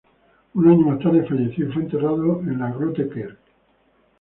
Un año más tarde falleció y fue enterrado en la Grote kerk.